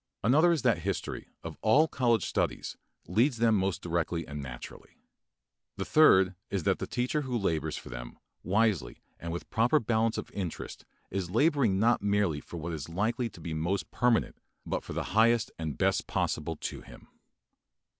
Another is that history of all college studies leads to them most directly and naturally. The third is that the teacher who labors for them wisely and with proper balance of interest is laboring not merely for what is likely to be most permanent, but for the highest and best possible to him.